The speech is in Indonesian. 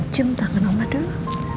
jom tangan oma dulu